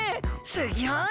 すギョい！